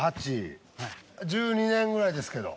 １２年ぐらいですけど。